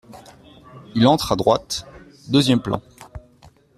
Il entre à droite, deuxième plan.